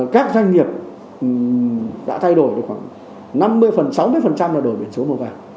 các doanh nghiệp đã thay đổi được khoảng năm mươi sáu mươi là đổi biển số màu vàng